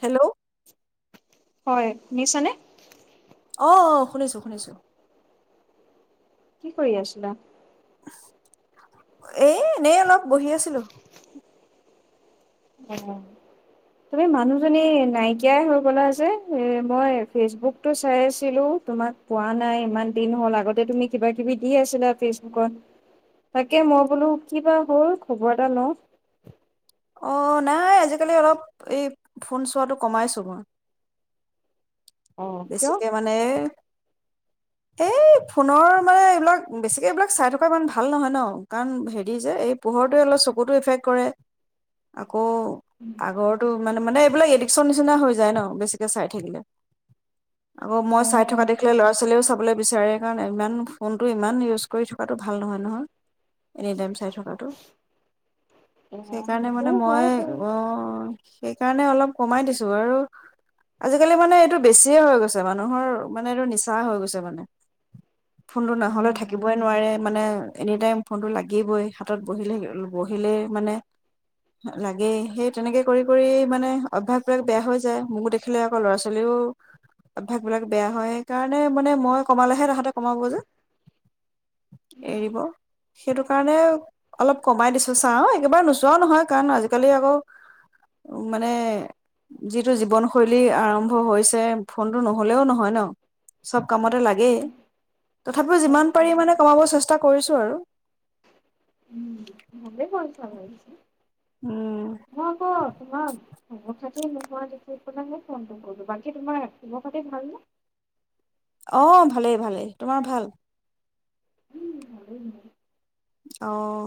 Hello. হয়, শুনিছানে?। অ', অ', শুনিছো-শুনিছো। কি কৰি আছিলা। এই এনেই অলপ বহি আছিলো। অ', তুমি মানুহজনী নাইকিয়াই হৈ গ'লা যে, এ মই ফেচবুকটো চাই আছিলোঁ তোমাক পোৱা নাই ইমান দিন হ'ল, আগতে তুমি কিবা-কিবি দি আছিলা ফেচবুকত। তাকে মই বোলো কিবা হ'ল খবৰ এটা লওঁ। অ', নাই আজিকালি অলপ এই ফোন চোৱাটো কমাইছোঁ মই। অ কিয়? বেছিকে মানে এই ফোনৰ মানে এইবিলাক বেছিকে এইবিলাক চাই থকা ইমান ভাল নহয় ন, কাৰণ হেৰি যে, এই পোহৰটোৱে অলপ চকুতো ইফেক্ট কৰে। আ কৌ, আগৰটো মানে-মানে এইবিলাক এডিক্শ্যন নিচিনা হৈ যায় ন বেছিকে চাই থাকিলে আকৌ মই অ চাই থকা দেখিলে ল'ৰা ছোৱালীয়েও চাবলৈ বিচাৰে কাৰণ ইমান ফোনটো ইমান ইউজ কৰি থকাটো ভাল নহয় নহয় এনিটাইম চাই থকাটো এ সেইকাৰণে সেইটো মানে মই হয় বাৰু অ সেইকাৰণে অলপ কমাই দিছো আৰু আজিকালি মানে এইটো বেছি হৈ গৈছে মানুহৰ মানে এইটো নিচা হৈ গৈছে মানে। ফোনটো নহ'লে উম থাকিবই নোৱাৰে মানে এনিটাইম ফোনটো লাগিবই হাতত বহিলে বহিলেই মানে লাগেই সেই তেনেকৈ কৰি কৰি মানে অভ্যাসবিলাক বেয়া হৈ যায় মোকো দেখিলে আকৌ ল'ৰা ছোৱালীও অভ্যস্বিলাক বেয়া হয় সেইকাৰণে মানে মই কমালেহে তাহাঁতে কমাব যে এৰিব সেইটো কাৰণে অলপ কমাই দিছো চা একেবাৰে নোচোৱাও নহয় কাৰণ আজিকালি আকৌ মানে যিটো জীৱনশৈলী আৰম্ভ হৈছে ফোনতটো নহলেও নহয় ন চব কামতে লাগেই তথাপিও যিমান পাৰি মানে কমাব চেষ্টা কৰিছোঁ আৰু উম মে কন চালিছ উম হ হ খাতে ম ফোনটো কৰিবলো বাকী তোমাৰ শভ খাতি ভাল ন অ ভালেই ভালেই তোমাৰ ভাল উম ভালেই। আহ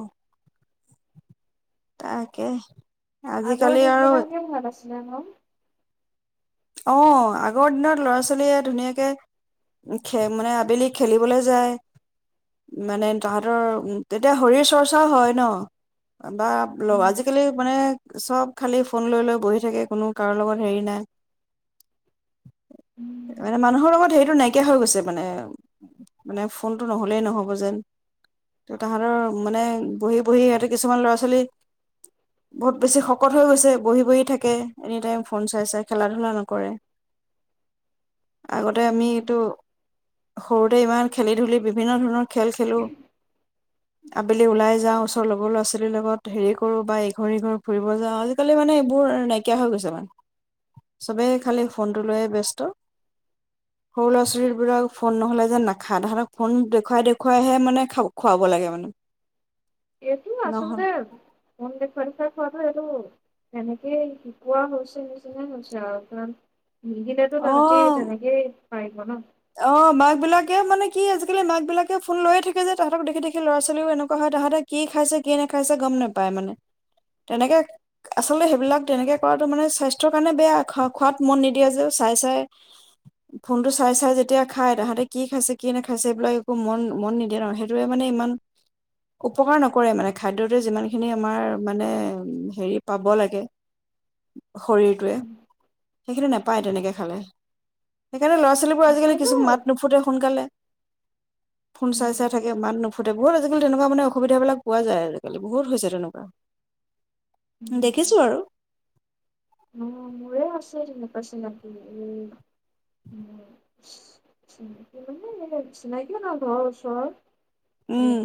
তাকে আগৰ আজিকালি দিন আৰু বিনা নি ম আছো ন অ আগৰ দিনত ল'ৰা ছোৱালীয়ে ধুনীয়াকে খ মানে আবেলি খেলিবলৈ যায় মানে তাহাঁতৰ তেতিয়া শৰীৰ চৰ্চাও হয় ন বা আজিকালি মানে চব খালী ফোন লৈ লৈ বহি থাকে কোনো কাৰো লগত হেৰি নাই মানে মানুহৰ লগত হে স নাইকিয়া হৈ গৈছে মানে মানে ফোনটো নহ'লেই নহ'ব যেন তাহাঁতৰ মানে বহি বহি সিহঁতে কিছুমান ল'ৰা ছোৱালী বহুত বেছি শকত হৈ গৈছে বহি বহি থাকে এনি টাইম ফ চাই চ খেলা ধূলা নকৰে আগতে আমি এইটো সৰুতে ইমান খেলি ধূুলি বিভিন্ন ধৰণৰ খেল খেলোঁ আবেলি ওলাই যাওঁ ওচৰ লগৰ ল'ৰা ছোৱালীৰ লগত হেৰি কৰোঁ বা ইঘৰ সিঘৰ ফুৰিব যাওঁ আজিকালি মানে এইবোৰ নাইকিয়া হৈ গৈছে মান চবেই খালি ফোনটো লৈয়ে ব্যস্ত সৰু ল'ৰা ছোৱালীবোৰক ফোন নহ'লে যেন নাখায় তাহাঁতক ফোন দেখুৱাই দেখুৱাইহে মানে খাব খুৱাব লাগে মানে এইটো আচল নহল দেৱ মোন দে পৰীক্ষা কৰা হয় এইটো এনেকে শিকোৱা হৈছে নিচিনা হৈছে আৰু কাৰণ মদিনতো অ ৰাজি যেনেকে হয় ম অ মাক বিলাকে মানে কি আজিকালি মাক বিলাকে ফোন লৈয়ে থাকে যে তাহাঁতক দেখি দেখি ল'ৰা ছোৱালীও এনেকুৱা হয় তাহাঁতে কি খাইছে কি নেখাইছে গম নোপায় মানে তেনেকে আচলতে সেইবিলাক তেনেকে কৰাটো মানে স্বাস্থ্যৰ কাৰণে বেয়া খোৱাত মন নিদিয়া যে চাই চাই ফোনটো চাই চাই যে তেতিয়া খাই তাহাঁতে কি খাইছে কি নাখাইছে এইবিলাক একো মন মন নিদিয়ে ন সেইটোোৱে মানে ইমান উপকাৰ নকৰে মানে খাদ্যটোৱে যিমানখিনি আমাৰ মানে হেৰি পাব লাগে শৰীৰটোৱে সেইখিনি নেপায় তেনেকে খালে। [unintelligible] ল'ৰা ছোৱালী বোৰ আজিকালি আচলতে [unintelligible] মাত নুফুটে সোনকালে। ফোন চাই উম চাই থাকে ইমান নুফ বহুত আজিকালি আসোবিধাবিলাক পোৱা যায় আজি কালি বহুত হৈছে তেনেকুৱা। উম, দেখিছো আৰু। অ, মোৰে আছে তেনেকুৱা চিনাকি উম, চিনাকি মানে এ চিনাকি নহয় ঘৰৰ ওচৰৰ। উম,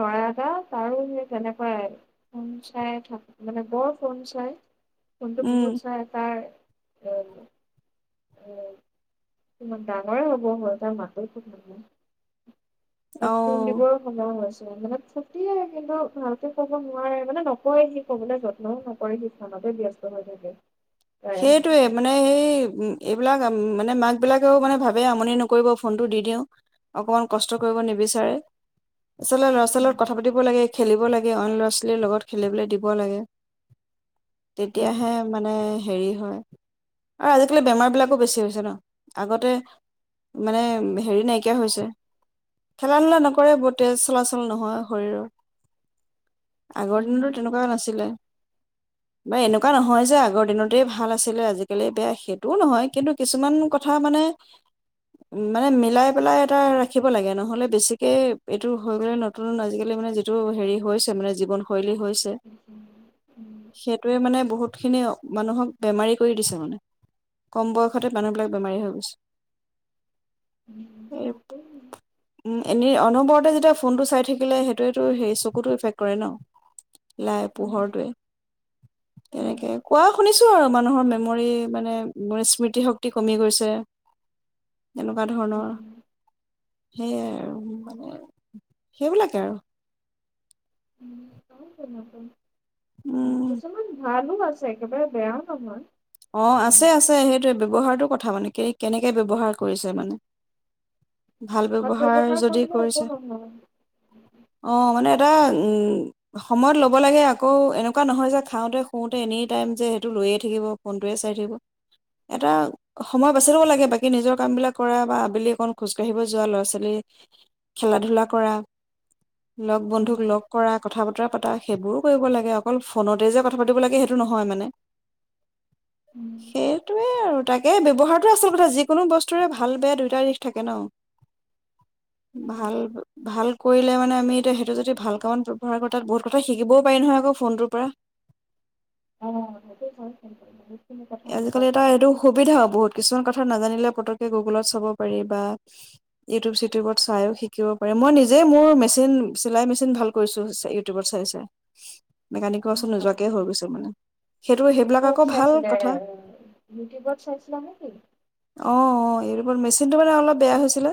নোৱাৰা। তাৰো সেই তেনেকুৱাই, ফোন চাই থাক মানে বৰ ফোন চাই। ফোনটো বহুত উম চাই তাৰ [unintelligible] ইমান ডাঙৰে হ'ব হ'ল তাৰ মাতো শুনা অ নাই। দিবৰ সময় হৈছ ফুটিয়ে কিন্তু ভালকে ক'ব নোৱাৰে মানে নকয় সি ক'বলৈ যত্নও নকৰে সি ফোনতে ব্যস্ত হৈ থাকে। প্ৰায়। সেইটোৱে মানে সেই উ এইবিলাক অম মানে মাকবিলাকেও মানে ভাবেই আমনি নকৰিব ফোনটো দি দিওঁ, অকণমান কষ্ট কৰিব নিবিচাৰে, আচলতে ল'ৰা ছোৱালীৰ লগত কথা পাতিব লাগে, খেলিব লাগে অইন ল'ৰা ছোৱালীৰ লগত খেলিবলৈ দিব লাগে। তেতিয়াহে মানে হেৰি হয়। আৰু আজিকালি বেমাৰ বিলাকো বেছি হৈছে ন, আগতে, মানে হেৰি নাইকিয়া হৈছে। খেলা ধূলা নকৰে তেজ চলাচল নহয় শৰীৰৰ। আগৰ দিনতো তেনেকুৱা নাছিলে। বা এনেকুৱা নহয় যে আগৰ দিনৰ গোটেই ভাল আছিলে আজিকালি বেয়া সেইটোও নহয় কিন্তু কিছুমান কথা মানে, মানে মিলাই পেলাই এটা ৰাখিব লাগে। ন'হলে বেছিকে এইটো হৈ গ'লে নতুন আজিকালি মানে যিটো হেৰি হৈছে মানে জীৱনশৈলী হৈ ছে। সেইটোৱে মানে বহুত এইখিন আও। মানুহক বেমাৰী কৰি দিছে মানে, কম বয়সতে মানুহবিলাক বেমাৰী হৈ গৈছে। [unintelligible] উম, এনেই অনবৰতে যেতিয়া ফোনটো চাই থাকিলে সেইটোৱেতো সেই চকুতো ইফেক্ট কৰে ন, লাই পোহৰটোৱে। তেনেকে শুনিছো আৰু মানুহৰ মেমৰি মানে স্মৃতি শক্তি কমি গৈছে। এনেকুৱা ধৰণৰ। সেইয়াই আৰু মানে, সেইবিলাকে আৰু। উম,। উম, কিছুমান ভাল আছে একেবাৰে বেয়াও নহয়। অ, আছে আছে সেইটোৱে ব্যৱহাৰটো কথা মানে। কেনেকে ব্যৱহাৰ কৰিছে মানে। ভাল সৎ ব্যৱহাৰ যদি কৰিলে একো কৰিছে। নহয়। অ, মানে উম, সময়ত ল'ব লাগে আকৌ এনেকুৱা নহয় যে খাওঁতে শুওঁতে এনি টাইম যে সেইটো লৈয়ে থাকিব। ফোনটোৱে চাই থাকিব। এটা, সময় বাচি ল'ব লাগে বাকী নিজৰ কাম বিলাক কৰা বা আবেলি অকণ খোজ কাঢ়িব যোৱা ল'ৰা ছোৱালী, খেলা ধূলা কৰা। লগ বন্ধুক লগ কৰা কথা বতৰা প সেইবোৰো কৰিব লাগে অকল ফোনতে যে কথা পাতিব লাগে সেইটো নহয় মানে সেইটোৱে। আৰু তাকে ব্যৱহাৰটোৱে আচল কথা যিকোনো বস্তুৰে ভাল বেয়া দুয়োটা দিশ থাকে। ন ভাল ভাল কৰিলে মানে আমি এতিয়া সেইটো যদি ভাল কামত ব্যৱহাৰ কৰোঁ তাত বহুত কথা শিকিবও পাৰি নহয় আকৌ ফোনটোৰ পৰা। অ সেইটো হয়। কথা শিকা আজিকালি এটা, এইটো সুবিধা বহুত কিছুমান কথ থা নাজানিলে পতকে গুগ'লত চাব পাৰি বা ইউটিউব চিটিউবত চাইও শিকিব পাৰি। মই নিজেই মোৰ মেচিন, চিলাই মেচিন ভাল কৰিছোঁ, চ, ইউটিউবত চাই চাই। মেকানিকৰ ওচৰত যায়। নোযোৱাকে হৈ গৈছে মানে। সেইটো, সেইবিলাক ক'ত আকৌ ভাল চাইছিলে ক ইউটিউবত চাইছিলা নে, কি? অ অ ইউটিউবত। মেচিনটো মানে অলপ বেয়া হৈছিলে,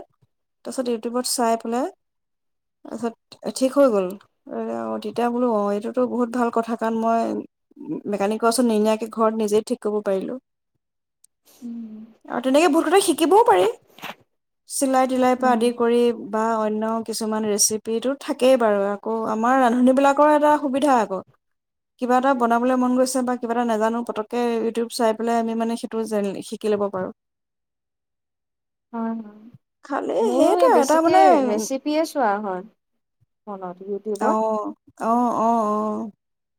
তাৰপিছত ইউটিউবত চাই পেলাই, তাৰপিছত ঠিক হৈ গ'ল। অ তেতিয়া বোলো, অ', এইটোতো বহুত ভাল কথা, কাৰণ মই ম-মেকানিকৰ ওচৰত নিনিয়াকে ঘৰত নিজেই ঠিক কৰিব পাৰিলোঁ। উম আৰু তেনেকে বহুত কথা শিক শিকিবও পাৰি। চিলাই তিলাইৰ পৰা উম, আদি কৰি বা অন্য কিছুমান ৰেচিপিটো থাকেই বাৰু আকৌ আমাৰ ৰান্ধনীবিলাকৰ এটা সুবিধা আকৌ, কিবা এটা বনাবলৈ মন গৈছে বা কিবা এটা নাজানো পতককে ইউটিউব চাই পেলাই আমি মানে সেইটো জান শিকি ল'ব পাৰোঁ। হয়, হয়। মোৰো এই সেইটোৱে এটা বেছিকে মানে ৰেচিপিয়ে চোৱা হয়। [unintelligible] অ', অ', অ', অ', অ'। [inaudible]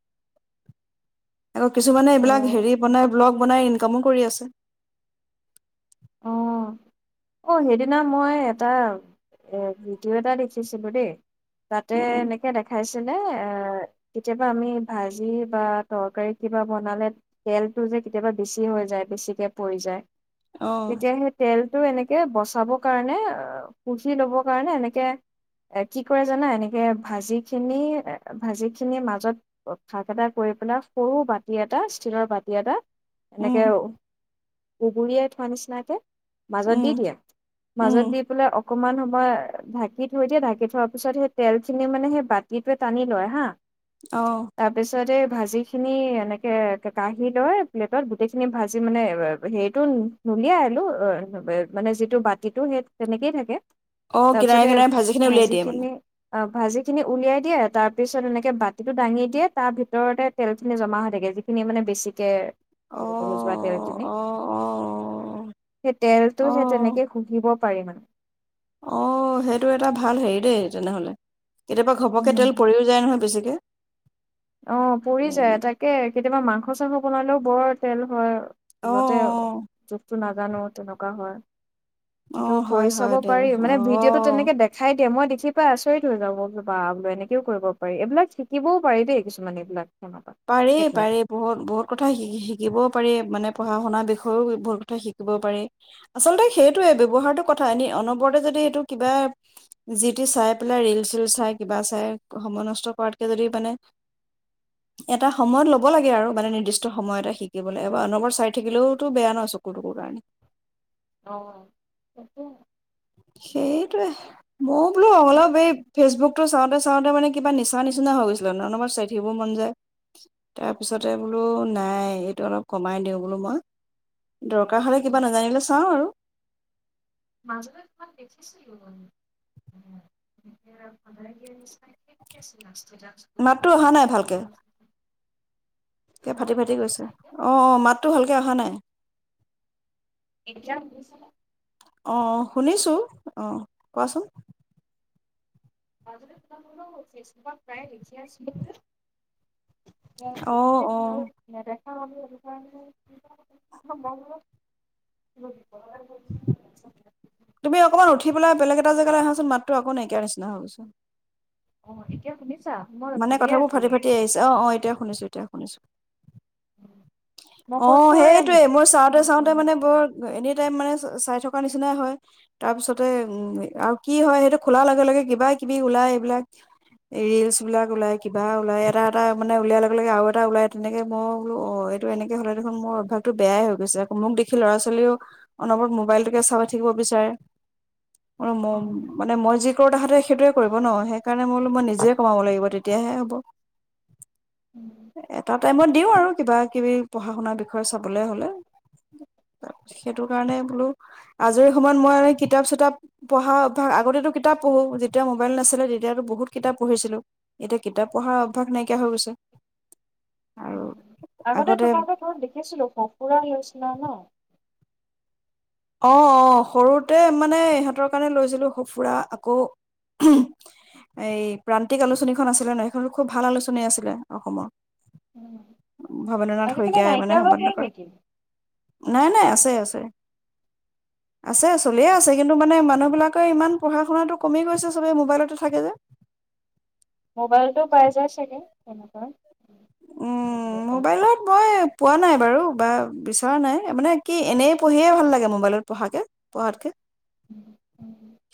আকৌ কিছুমানে আৰু এইবিলাক হেৰি বনাই ব্লগ। বনাই ইনকামো কৰি আছে। অ', অ', সেইদিনা মই এটা এ, ভিডিঅ' এটা দেখিছিলোঁ দেই। তাতে উম এনেকে দেখাইছ যেনে এ, কেতিয়াবা আমি ভাজি বা তৰকাৰিত কিবা বনালে তেলটো যে কেতিয়াবা বেছি হৈ যায়, বেছিকে পৰি যায়। অ', তেতিয়া সেই তেলটো এনেকে বচাবৰ কাৰণে অ, কুচি লবৰ কাৰণে এনেকে এ, কি কৰে জানা এনেকে ভাজি খিনি ভাজি খিনি মাজত, ফাক এটা কৰি পেলাই সৰু বাতি এটা ষ্টীলৰ বাতি এটা উম, এনেকে উুবুৰিয়াই থোৱা নিচিনাকে মাজত দি উম, দিয়ে, উম, মাজত দি পেলাই অফ অকমান সময় ঢাকি থৈ দিয়ে ঢাকি থোৱাৰ পিছত সেই তেল খিনি মানে সেই বাতিটোৱে টানি লয় হা। অ', তাৰপিছতে ভাজিখিনি এনেকৈ কাঁঢ়ি লয় প্লেটত গোটেইখিনি ভাজি মানে হেৰিটো নুলিয়াই আৰু মানে যিটো বাতিটো সেই তেনেকেই থাকে। অ' তাৰপিছতে কিনাৰে কিনাৰে ভাজি খিনি উলিয়াই দিয়ে মানে। অ ভাজি খিনি উলিয়াই দিয়ে তাৰ পিছত এনেকে বাতিটো দাঙি দিয়ে তাৰ ভিতৰতে তেলখিনি জমা হৈ থাকে যিখিনি মানে বেছিকে অ', ৰৈ যোৱা তেল খিনি। অ', অ', তেলটো সেই অ', তেনেকে শুহি ক পাৰি মান অ সেইটো এটা ভাল হেৰি দেই তেনেহলে কেতিয়াবা ঘপকে উম তেল পৰিও যায় নহয় বেছিকে অ পৰি এ, যায় তাকে কেতিয়াবা মাংস চাংস বনালেও বৰ তেল হয় আৰু অ', ভুলতে অ', জোখটো না নাজানো তেনেকুৱা হয় এইটো অ', হয় কৰি চাব হয় দেই, পাৰি মানে ভিডিঅ'টো অ'। তেনেকে দেখাই দিয়ে মই বি পাই আচৰিত হৈ যাব বা বোল এনেকেও কৰিব পাৰি এইবিলাক শিকিবও পাৰি দেই কিছুমান এইবিলাক পাৰে টেকনিক পাৰে বহুত বহুত কথা শি শিকিবও পাৰে মানে পঢ়া শুনাাৰ বিষয়েও বহুত কথা শিকিব পাৰি আচল্ততে সেইটোৱে ব্য্ৱহাৰটো কথা এনে অনবৰতে যদি এইটো কিবা যি টোি চাই পেলাই ৰিল চল চাই কিবা চাই সময় নষ্ট কৰাতকে যদি মানে এটা সময়ত লব লাগে আৰু মানে নিৰ্দিষ্ট সময় এটা শিকিবলৈ এবাৰ অনবৰ চাই থাকিলেওতো বেয়া নহয় চকুৰ টকুৰ কাৰণে অ তটো সেইটোৱে মইও বোলো অলপ আৰু এই ফেচবুক চাওঁতে চাওঁতে মানে কিবা নিচা নিচিনা হৈ গৈছিলে নলমাৰ চাইঠিবোৰ মন যায় তাৰপিছতে উম বোলো নাই এইটো অলপ কমাই দিওঁ বোলো মই দৰকাৰ হ'লে কিবা উম, নাজানিলে চাওঁ আৰু মাজলৈ কিমান দেখিছিলো ষ্টেটাছ মাতটো অহা নাই ভালকেে হেল্ল' ফাটি ফাটি গৈছে শুনিছানে এতিয়া অ অ মাতটো ভালকে অহা নাই এ্াম আহ শুনিছো অ কোৱাচোন ফচব প্ৰায়ে লখি আছিল এ অ বহুতে অ মদ অ তুমি অকণমান উঠি পেলাই বেলেগ এটা জেগালৈ আহাচোন মাতটো আকৌ নাইকিয়াৰ নিচিনা হ'বচোন অ এতিয়া শুনিছো মানে কথাবোৰ ফাটি ফাটি আহিছে অ অ এতিয়া শুনিছো এতিয়া শুনিছো মই অ কৈছো সেইটোৱে মোৰ চাওঁতে চাওঁতে মানে বৰ এনে তাই মানে চাই থকা নিচিনাই হয় তাৰ পিছতে উম আৰু কি হয় সেইটো খোলাৰ লগে লগে কিবা কিবি ওলাই এইবিলাক ৰিলচ বিলাক ওলাই কিবা ওলাই এটা এটা মানে উলিয়াৰ লগে লগে আৰু এটা ওলাই তেনেকে মই বোলো অ এইটো এনেকে হ'লে দেখোন মোৰ অভ্যাসটো বেয়াই হৈ গৈছে আকৌ মোক দেখি ল'ৰা ছোৱালীও অনবৰত মোবাইলটোকে চাবাই থাকিব বিচাৰে আৰু ম মানে মই যি কৰো তাহাতে সেইটোোৱে কৰিব ন সেইকাৰণে মো মই নিজে তেতিয়াহে হ'ব এটা টাইমত দিও এই আৰু কিবা কিবি পঢ়া শুনাৰ বিষয়ে চাবলৈ হ'লে তাৰছ সেইটো কাৰণে বোলো আজৰি সময়ত মই কিতাপ চিতাপ পঢ়া অভ্যাস আগতেতো কিতাপ পঢ়ো যেতিয়া মোবাইল নাছিলে তেতিয়াতো বহুত কিতাপ পঢ়িছিলো এতিয়া কিতাপ পঢ়াৰ অভ্যাস নাইকিয়া হৈ গৈছে আৰু আগতে তোমালোকে ঘৰত দেখিছিলো সঁফুৰা নিচিনা ন অ অ সৰুতে মানে ইহঁতৰ কাৰণে লৈছিলো স ফুৰা আকৌ এই প্ৰান্তিক আলোচনীখন আছিলে নহয় সেইখন খুব ভাল আলোচনী আছিলে অসমৰ উম ভবেন্দ্ৰনাথ আজিকালি শইকীয়াই মানে নাইকিয়া হৈ সম্পাদনা গল কৰে নেকি নাই নাই আছে আছে আছে চলিয়ে আছে কিন্তু মানে মানুহ বাকে ইমান পঢ়া শুনাটো কমি গৈছে সবে মোবাইলতে থাকে যে মোবাইলটো পাই যায় চাগে কেনেকুৱা উম মোবাইলত মই পোৱা নাই বাৰু বা বিচৰা নাই মানে কি এনেই পঢ়িয়ে ভাল লাগে মোবাইলত পঢ়াকে পঢ়াতকে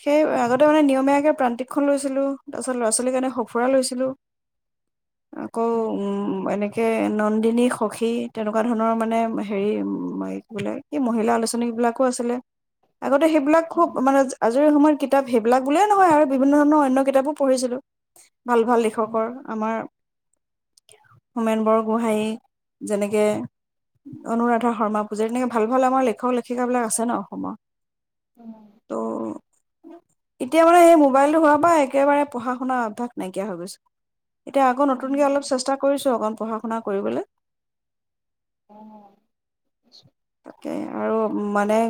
সেই আগ মানে নিয়মীয়াকে প্ৰান্তিকখন লৈছিলো তাৰ পাছত ল'ৰা ছোৱালীৰ কাৰনে সঁফুৰা লৈছিলো আকৌ উম তেনেকৈ নন্দিনী সখী তেনেকুৱা ধৰণৰ মানে হেৰি কি বোলে কি মহিলা আলোচনীবিলাকো আছিলে আগতে সেইবিলাক খুব মানে আজৰি সময়ৰ কিতাপ সেইবিলাক বুলিয়ে নহয় আৰু বিভিন্ন ধৰণৰ অন্য কিতাপো পঢ়িছিলো ভাল ভাল লিখকৰ আমাৰ হোমেন বৰগোহাঁই যেনেকে অনুৰাধা শৰ্মা পূজাৰ তেনেকে ভাল ভাল আমাৰ লেখক লেখিকাবিলাক আছে ন অসমৰ ত এতিয়া মানে এই মোবাইলটো হোৱাৰ পৰা একেবাৰে পঢ়া শুনাৰ অভ্যাস নাইকিয়া হৈ গৈছে এতিয়া আকৌ নতুনক অলপ চেষ্টা কৰ অকণ পঢ়া শুনা কৰিবলৈ অ তাকে আৰু মানে